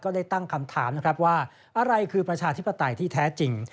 ได้ตั้งคำถามนะครับว่าอะไรคือประชาธิปไตยที่แท้จริง